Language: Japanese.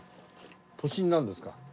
都心なんですか？